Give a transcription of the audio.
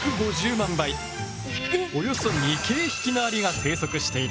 およそ２京匹のアリが生息している。